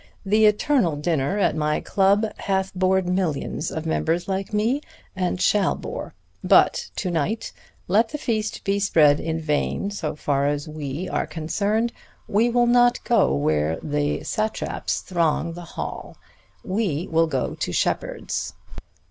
The eternal dinner at my club hath bored millions of members like me, and shall bore; but to night let the feast be spread in vain, so far as we are concerned. We will not go where the satraps throng the hall. We will go to Sheppard's."